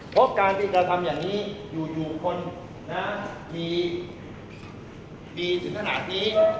เพราะการที่กระทำอย่างนี้อยู่คนนะมีถึงขนาดนี้